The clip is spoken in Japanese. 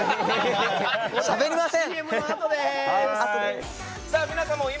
しゃべりません！